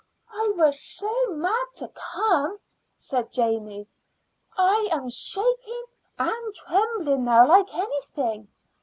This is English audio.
"I was so mad to come," said Janey. "I am shaking and trembling now like anything.